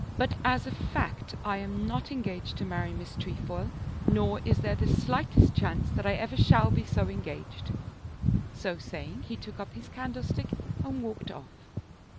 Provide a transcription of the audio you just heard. But as a fact I am not engaged to marry Miss Trefoil, nor is there the slightest chance that I ever shall be so engaged." So saying he took up his candlestick and walked off.